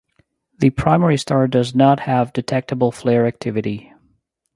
The primary star does not have detectable flare activity.